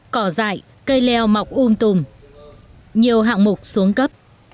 cỏ dại cây leo mọc um tùm nhiều hạng mục xuống cấp